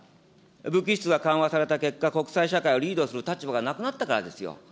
武器輸出は緩和された結果、国際社会をリードする立場がなくなったからですよ。